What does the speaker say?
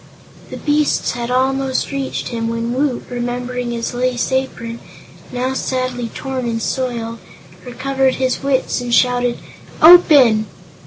The beasts had almost reached him when Woot, remembering his lace apron now sadly torn and soiled recovered his wits and shouted: "Open!"